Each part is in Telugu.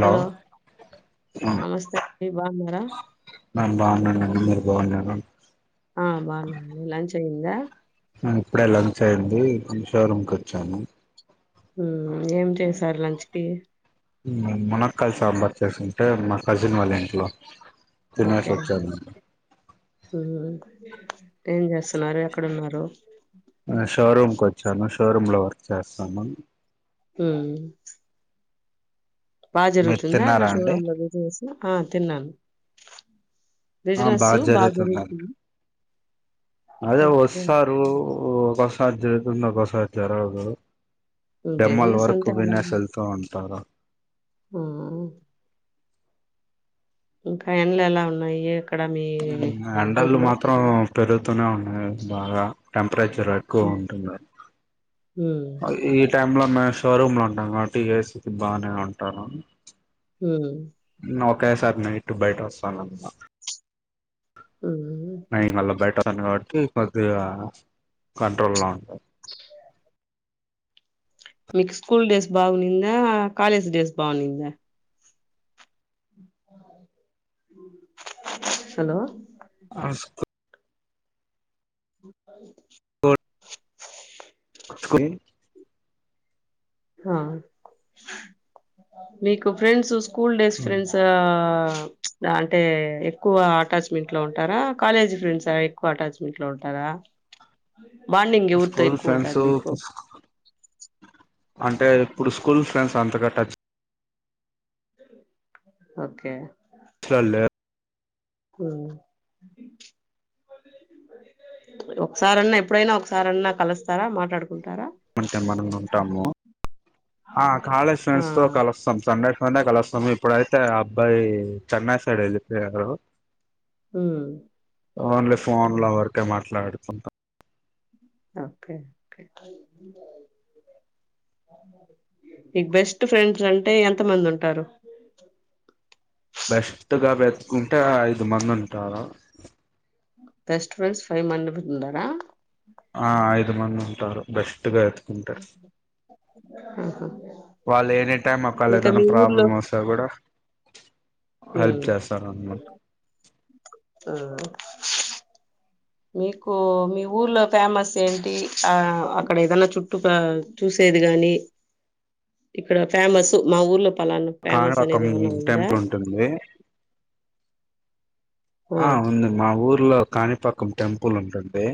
హలో నమస్తే [unintelligible] [unintelligible] నేను బాగున్నాను అండి [unintelligible] ఆ బాగున్నాను అండి లంచ అయ్యిందా ఇప్పుడే లంచ అయింది కొ షోరూముకి వచ్చాను ఏం చేసారు లంచ్ కి మునక్కయ సాంబార్ చేసుంటే మా కజిన్ వాళ్ళ ఇంట్లో తినేసి ఓకే వచ్చాను ఏం చేస్తున్నారు ఎక్కడున్నారు షోరూమ్కి వచ్చాను షోరూమ్ లో వర్క్ చేస్తాను హ బాగా మీరు జరుగుతుందా అక్కడ తిన్నారా అండి షోరూమ్ లో బిజినెస్ ఆ తిన్నాను ఆ బిజినెస్ బాగా జరుగుతుందండి జరుగుతుంది అదే ఓకే వస్తారు ఒక్కోకసారి జరుగుతుంది ఒక్కొక్కసారి జరగదు డెమ్మల్ బిజినెస్ వర్కు అంతా వినేెస్ అలాగే వెళ్తూ ఉంటారు ఆ ఇంకా ఎంలు ఎలా ఉన్నాయి అక్కడ మీ ఎడాళ్ళ ఊర్లో మాత్రం పెరుగుతూనే ఉన్నా బాగా టె ప్రేచర్ ఎక్కువ ఉమ్ ఉంటుంది టై లో మేము షోరూమ్ లో ఉంటాం కాబట్టి ఏ స్తి బాగానే ఉంటారు ఉ ఓకే సార్ నే ఇటు బయట వస్తాను న ఉమ్ మళ్ళ బెటా ను కాబట్టి కొద్దిగా కంట్రోల్లో ఉంటాంది మీకు స్కూల్ డేస్ బాగున్నిందా కాలేజ్ డేస్ బాగునిందా హలో అస్ స మీకు ఫ్రెండ్స్ స్కూల్ డేస్ ఫ్రెండ్స్ ఆ అంటే ఎక్కువా అటాచ్మెంట్ లో ఉంటారా కాలేజీ ఫ్రెండ్స్ ఎక్కువ అటాచ్మెంట్ లో ఉంటారా బాండింగ్ ఎవురుతో స్కూల్ ఎక్కువ ఫ్రెండ్స్ ఉంటది మీకు అంటే ఇప్పుడు స్కూల్ ఫ్రెండ్స్ అంతగా టచ్ ఓకే చ్లా లే ఒకసారన్నా ఎప్పుడైనా ఒకసారన్నా కలుస్తారా మాట్లాడుకుంటారా ఉంటే మనం ఉంటాము ఆ కాలేజ్ ఆ ఫ్రెండ్స్ తో కలుస్తాం సండె డే కలుస్తాము ఇప్పుడైతే ఆ అబ్బాయి చెన్నై సైడ్ వెళ్ళిపోయారు ఉమ్ ఓన్లీ ఫోన్లావర్ కే మాట్లాడుకుంటాం ఒకే కే మీక్ బెస్ట్ ఫ్రెండ్స్ అంటే ఎంత మంది ఉంటారు బెస్ట్గా పెట్టుకుంటే ఇ మందింటారా బెస్ట్ ఫ్రెండ్స్ ఫైవ్ మంది ఉండార ఆ ఆయిద్ మంది ఉంటారు బెస్ట్ గా ఎత్తుకుంటారు ఆహా వాళ్ళు ఎనీ టైం ఒకళ ఇంకా ఏదైనా మీ ప్రాబ్లం ఊర్లో వస్తే కూడా హెల్ప్ ఉమ్ చేస్తారు అన్నమాట ఆ మీకు మీ ఊర్లో ఫేమస్ ఏంటి ఆ అక్కడ ఏదన్న చుట్టూ ప చూసేది గాని ఇక్కడ ఫేమస్ మా ఊర్లో పలానా కానీ ఫేమస్ పకం అనేది ఏమన్నా ఉందా టెంపుల్ ఉంటుంది ఆ ఉంది మా ఊరు లో కాణిపాకం టెంపుల్ ఉంటుంది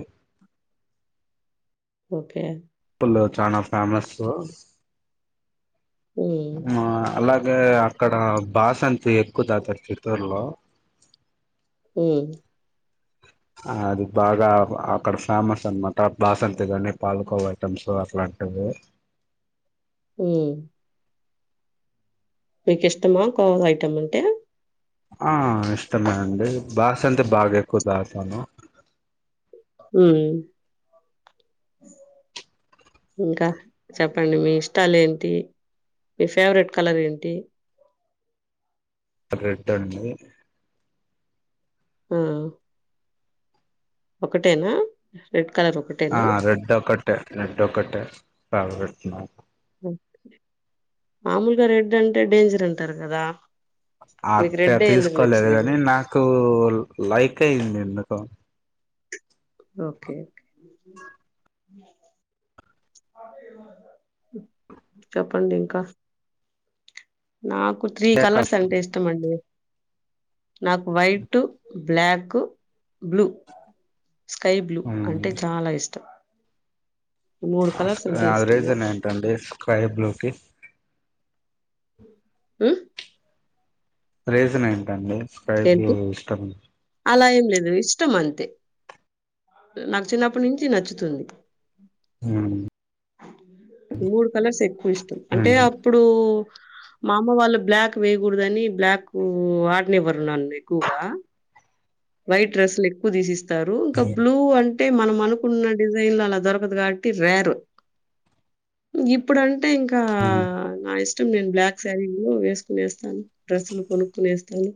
ఓకే ల్లో చాన ఫేమాస్సు ఉమ్ మా అలా వే అక్కడ బాసంతి ఎక్కువ [unintelligible] చిత్తూరులో ఉమ్ అది బాగా అక్కడ ఫేమస్ అన్న మాట బాసంతి కానీ పాలకోవ ఐటమ్స్ అట్లాంటివి హ్ మీకు ఇష్టమా కోవా ఐటమ్ అంటే ఆ ఇష్టమే అండీ బాసంతి బాగ ఎక్కువ తగుతాను. ఉమ్ చెప్పండి. మీ ఇష్టాలు ఏంటి మీ ఫేవరెట్ కలర్ ఏంటి రెడ్డూ అండీ. హ్ ఒకటేనా ఫేట్ ఆ రెడ్డు ఒక్కటె రేడ్డొక్కటె, బాగ పెడుతున్నావ్. మామలుగ, రెడ్ అంటే డేంజర్ అంటారు గదా ఆ అట్టే తీసుకోలేదు గని నాకూ లైక్ అయింది. ఎందుకొ ఓకే చెప్పండింకా నాకు త్రీ కలర్సంటే ఇష్టమండి నాకు white black, blue sky blue అంటే చాల ఇష్టం. మూడు కలర్స్ అంటే అది ఇష్టం రీజన్ నాకు ఏంటండి స్కైబ్లూకి హ్ రీజనేంటండి. స్కైబ్లూ ఏంటి ఇష్టం. అలా ఏం ఇష్టం అంతే నా చిన్నప్పటి నుంచి నచ్చుతుంది. ఉమ్ మూడు కలర్స్ ఎక్కువ ఇష్టం. అంటే ఉమ్ అప్పుడూ మా అమ్మ వాళ్ళు బ్లాక్ వేయగూడదనీ, బ్లాక్ వ్ వాడనివ్వరు నన్ను ఎక్కువగా వైట్ డ్రెస్లు ఎక్కువ తీసేసి త్తరూ ఇంక బ్లూ అం టె మనం అనుకున్న డిజైన్లు అల దొరకదు గాబట్టి రేర్. ఇప్పుడం టె ఇంకా ఉమ్ నైస్! నేను బ్లాక్ శారీలో వేసుకునేస్తాను. డ్రెస్సులు కొనుక్కునేస్తాను.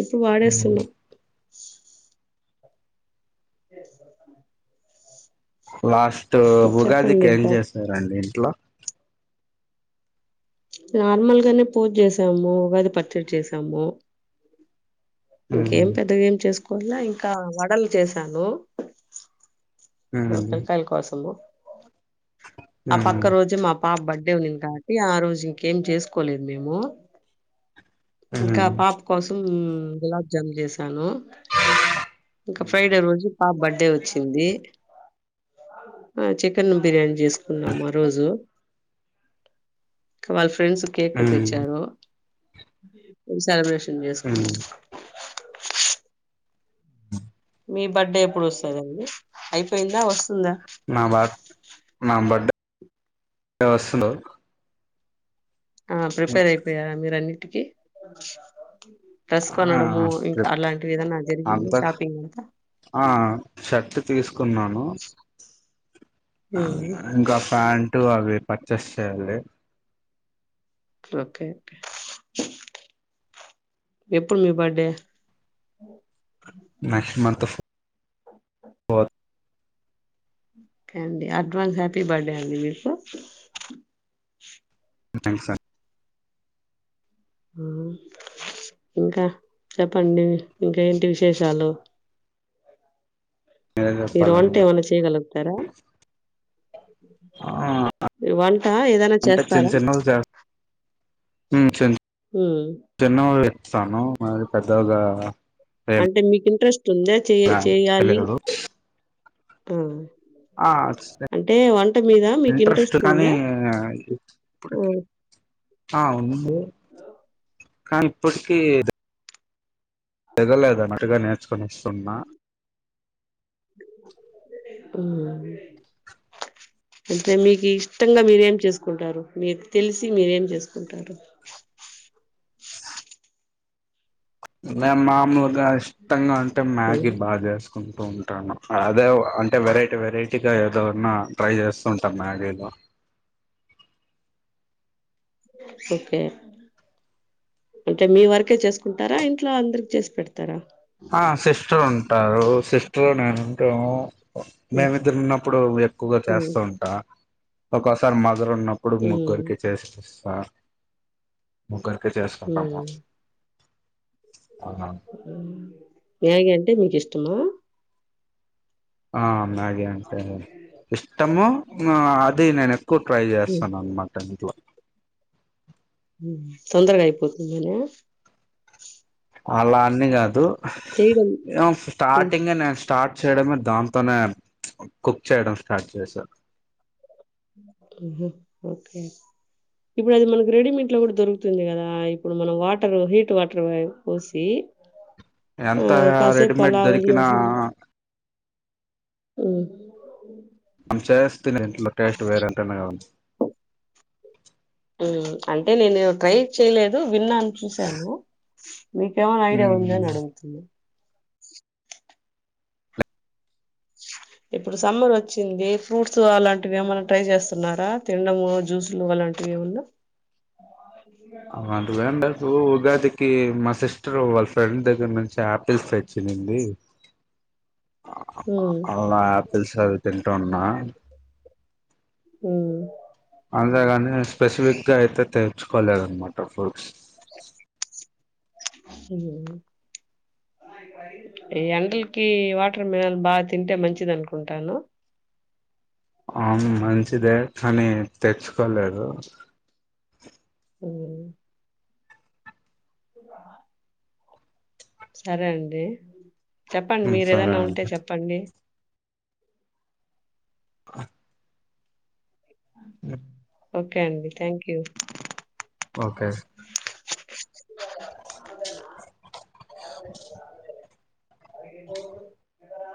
ఇప్పుడు వాడేసి ఉమ్ [unintelligible] చేస్తర పని? లాస్ట్. స్టూ చెప్పండి ఉగాదికి ఏం ఇంకా. జేసారండి ఇంట్లొ? నార్మల్గానే పూజ చేసాము. ఉగాది పచ్చడి చేసాము. ఉమ్ ఇంకేం పెద్దగ ఏమ్ చేస్కొ ల్లా ఇంకా వడలు చేసాను. ఉమ్ ఆ పిల్కాయల కోసము. హలో ఆ పక్క ఉమ్ రోజు మా పాప బడ్ డ్డే ఉన్నింది కాబట్టి ఆ రోజు ఇంకేం చేసుకోలేదు మేము ఇంకా ఉమ్ పాప కోసం గులాబ్ జామ్ చేస సాను ఇంక ఫ్రైడే రోజు పాప బర్త్డే వచ్చింది. ఆ చికెన్ బిర్యానీ చేసుకు న్నామారోజు కవల్ఫా ఫ్రెండ్స్ కేక్ ఉమ్ తెచ్చారు. ఇంగ సేలబ్రేషన్ ఉమ్ చేసుకున్నాం. అ మీ బర్త్డే ఎప్పుడు వస్తదండి అయిపోయిందా వస్త నా బ నాబర్త్డే వస్తూరు ఆ ప్రిపేర్ అయిపోయారా మీరు అన్ని కే ఆ ఏదన్నా జరిగిందా అంత షాపింగ్ అంతా ఆ షర్ట్ తీసుకున్నాను. ఉమ్ ఇంకా ప్యాంట్ అవి పర్చేస్ చేయాలి. ఓకే ఎప్పుడు మీ birthday next month fourth okay అండి అడ్వాన్స్ హ్యాపీ బర్త్డే అండి మీకు థ్యాంక్ సార్ ఉ ఇంకా చెప్పండి ఇంకా ఏంటి విశేషాలు మీరే మీరు వంట చెప్పాలండి ఏమన్నా చేయగలుగుతారా ఆ ఆ వంట ఏదైనా చేస్తారా ఉ చిన్ ఉమ్ చిన్నవి స్తను మరి పెద్దగా అంటే మీకు ఇంట్రెస్ట్ తుందా చే చేయాలి తెలియదు ఆ ఆ అంటే వంట మీద మీకు ఇంట్రెస్ట్ కానీ ఉందా ఇప్పుటికి హ్మ్ ఆ ఉంది కానీ ఇప్పటికి దిగలేదు అన్నటుగా నేర్చుకొనిస్తున్నా ఉ అంటే మీకు ఇష్టంగా మీరేం చేసుకుంటారు మీకు తెలిసి మీరేం చేసుకుంటారు మే మాము ఇంకా ఇష్టంగా అంటే మ్యాగీ హ్మ్ బా చేస్ కుంటూ ఉంటాను అదే అంటే వెరైటీ వెరైటీగా ఏదోన్నా ట్రై చేస్తూ ఉంటాను మ్యాగీలో ఓకే అంటే మీ వరకే చేసుకుంటారా ఇంట్లో అందరికి చేసి పెడతారా ఆ సిస్టర్ ఉన్ టారు సిస్టర్ నేనుంటా హ్మ్ మేమిద్దరు ఉన్నప్పుడు ఎక్కువగా హ్మ్ చేస్తూ ఉంటా ఒక సార్ మాల్ మరు ఉన్నప్పుడు హ్మ్ ముగ్గురికి చేసి ఇస్ ఆ ముగ్గరు ఇక చేసుకుంటాము అ మ్యాగీ అంటే మీకు ఇష్టమా ఆ మ్యాగి అంటే ఇష్టము ఆ అదే నేను ఎక్కువ ట్రై హ్మ్ చేస్తాను అన్నమాట ఇంట్లో తొందరగా అయిపోతుందన అలా అన్ని కాదు ఏమో హ్మ్ స్టార్టింగ్ నేను స్టార్ట్ చేయడమే దాంతోనే కుక్ చేయడం స్టార్ట్ చేశారు ఓకే ఇప్పుడు అది మనకు రెడీమేట్ లో కూడా దొరుకుతుంది కదా ఇప్పుడు మనం వాటర్ హీట్ వాటర్ పోసి ఆ ఎంత కాసేపు రెడీమేడ్ అలా దొరికినా అ అంచ త ఇంట్లో టేస్ట్ వేరేంటనే కా ఉంది అంటే నేను ట్రై చేయలేదు విన్నాను చూశాను స మీకు ఏమైనా ఐడియా ఉందా అడుగుతున్నా ఇప్పుడు సమ్మర్ వచ్చింది ఫ్రూట్స్ అలాంటివి ఏమనా ట్రై చేస్తున్నారా తిండము జ్యూసులు అలాంటివి ఏమన్నా అంట ఎండకు ఉగాదికి మా సిస్టర్ వాళ్ళ ఫ్రెండ్ దగ్గర నుంచి ఆపిల్స్ పెచ్చంది మ్మ్ అలా ఆపిల్ సార్ వెంటూన్నా హ అంద్ర అ స్పెసిఫిక్ గా అయితతే ఉచ్చుకోలేడనమాట ఫుర్స్ ఈ ఎండలకి వాటర్ మినల్ బాగా తింటే మంచిది అనుకుంటాను ఆ మంచిదే కానీ తెచ్చుకోలేదు అ సరే అండి చెప్పండి మీరు సరే ఏదన్నా ఉంటే అండి చెప్పండి ఆ ఇ ఓకే అండి థ్యాంక్ యూ ఓకే [inaudible] అద [inaudible] అ